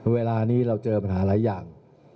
เวลานี้เราเจอปัญหาหลายอย่าง